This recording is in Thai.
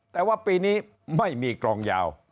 แต่ว่าปีนี้ไม่มีกรองยาว